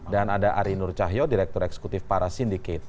dan ada arie nur cahyo direktur eksekutif parasindikate